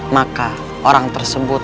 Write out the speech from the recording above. maka orang tersebut